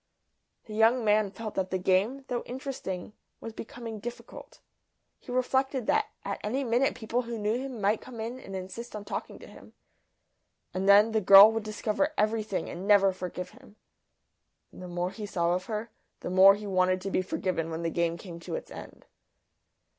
The young man felt that the game, though interesting, was becoming difficult. He reflected that at any minute people who knew him might come in and insist on talking to him. And then the girl would discover everything and never forgive him. And the more he saw of her the more he wanted to be forgiven when the game came to its end.